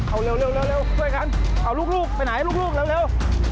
เอาเร็วช่วยกันเอาลูกไปไหนลูกเร็ว